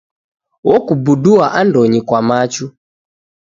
Okubudua andonyi kwa machu.